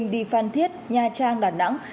đi phan thiết nha trang đà nẵng